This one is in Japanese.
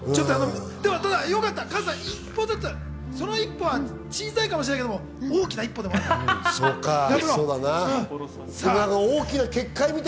加藤さん、一歩ずつ、その一歩は小さいかもしれないけど、大きな一歩だよ。